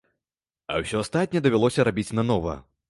А ўсё астатняе давялося рабіць нанова.